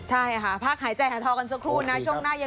ใช่ค่ะพักหายใจหันทอกันสักครู่นะ